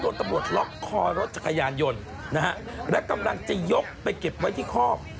ตำรวจล็อกคอรถจักรยานยนต์นะฮะและกำลังจะยกไปเก็บไว้ที่คอก